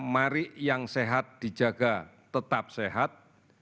mari yang sehat dijaga tetap sehat